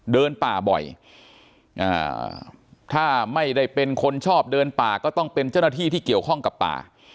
เดินป่าบ่อยถ้าไม่ได้เป็นคนชอบเดินป่าก็ต้องเป็นเจ้าหน้าที่ที่เกี่ยวข้องกับป่า